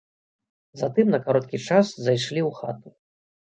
Затым на кароткі час зайшлі ў хату.